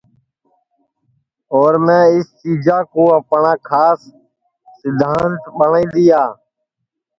اور میں اِس چیجا کُو اپٹؔا کھاس سدھانت ٻٹؔائی دؔیا